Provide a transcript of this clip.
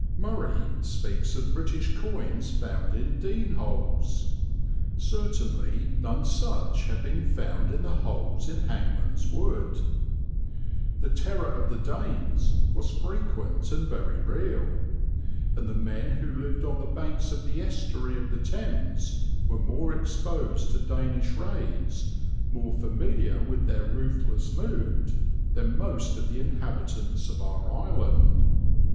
"Murray" speaks of British coins found in dene holes; certainly none such have been found in the holes in Hangman's Wood. The terror of the Danes was frequent and very real; and the men who lived on the banks of the estuary of the Thames were more exposed to Danish raids, more familiar with their ruthless mood, than most of the inhabitants of our island.